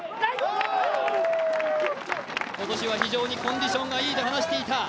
今年は非常にコンディションがいいと話していた。